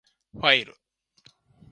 ファイル